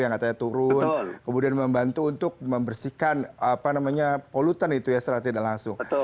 yang katanya turun kemudian membantu untuk membersihkan polutan itu ya secara tidak langsung